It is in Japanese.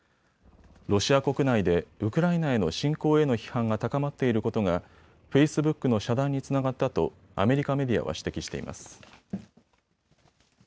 ロシア国内でウクライナへの侵攻への批判が高まっていることがフェイスブックの遮断につながったとアメリカメディアは指摘しています。